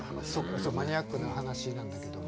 そうマニアックな話なんだけど。